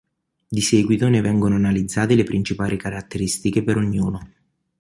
Di seguito ne vengono analizzate le principali caratteristiche per ognuno.